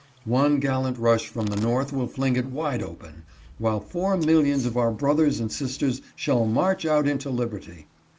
One gallant rush from the North will fling it wide open, while four millions of our brothers and sisters shall march out into liberty.